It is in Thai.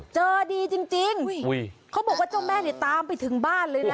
เจอดีจริงเขาบอกว่าเจ้าแม่เนี่ยตามไปถึงบ้านเลยนะ